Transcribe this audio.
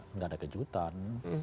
enggak ada kejutan